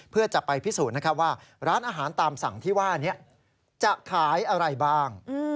เพื่อจะไปพิสูจน์นะครับว่าร้านอาหารตามสั่งที่ว่านี้จะขายอะไรบ้าง